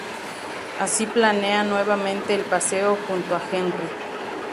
Así planean nuevamente el paseo junto a Henry.